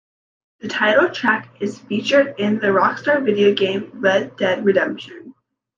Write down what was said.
The title track is featured in the Rockstar video game "Red Dead Redemption".